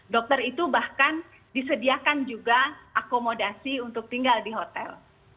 dokter itu bahkan disediakan juga akomodasi untuk tinggal di hotel